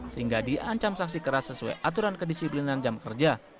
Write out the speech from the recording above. sehingga diancam sanksi keras sesuai aturan kedisiplinan jam kerja